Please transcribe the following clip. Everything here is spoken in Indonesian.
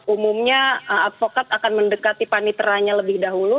umumnya advokat akan mendekati paniteranya lebih dahulu